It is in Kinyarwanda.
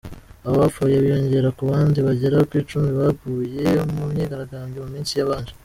Abo bapfuye biyongera ku bandi bagera ku icumu baguye mu myigarambyo mu minsi yabanje.